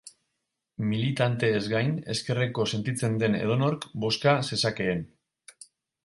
Militanteez gain, ezkerreko sentitzen den edonork bozka zezakeen.